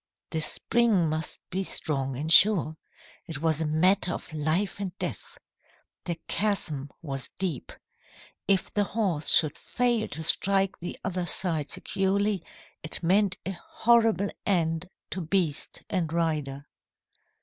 "The spring must be strong and sure. It was a matter of life and death. The chasm was deep. If the horse should fail to strike the other side securely, it meant a horrible end to beast and rider.